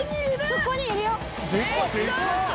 そこにいるよ。